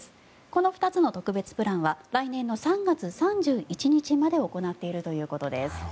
この２つの特別プランは来年の３月３１日まで行っているということです。